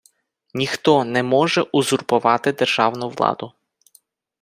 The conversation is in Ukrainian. Ніхто не може узурпувати державну владу.